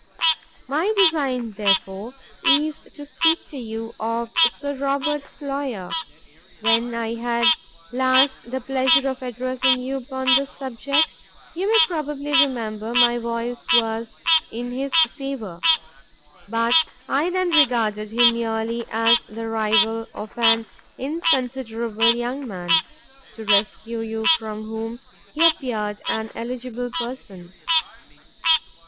"My design, therefore, is to speak to you of Sir Robert Floyer. When I had last the pleasure of addressing you upon this subject, you may probably remember my voice was in his favour; but I then regarded him merely as the rival of an inconsiderable young man, to rescue you from whom he appeared an eligible person.